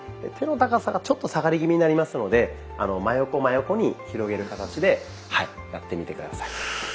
手の高さがちょっと下がり気味になりますので真横真横に広げる形でやってみて下さい。